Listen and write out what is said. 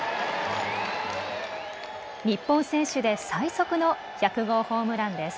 日本選手で最速の１００号ホームランです。